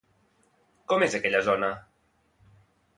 Com és aquella zona?